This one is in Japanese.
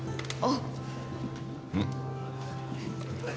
うん。